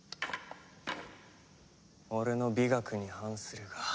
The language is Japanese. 俺の美学に反するが。